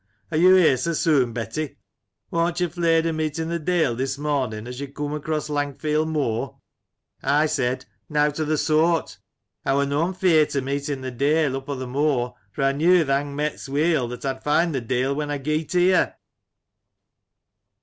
are you here so soon, Betty ? Warn't you fley'd o' meetin' th' deil this morning as you coom across Langfield Moor?' I said, *Nowt o'th' soart I wur noan feart o' rneetin th' deil up o'th' moor, for I knew th' hangmets weel that I'd find th' deil when I geet here